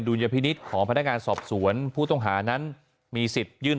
ลยพินิษฐ์ของพนักงานสอบสวนผู้ต้องหานั้นมีสิทธิ์ยื่น